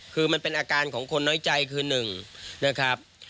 คือมันเป็นอาการของคนน้อยใจคือ๑นะครับ